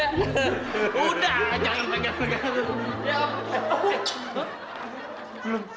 udah jangan pegang pegang